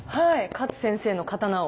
勝先生の刀を。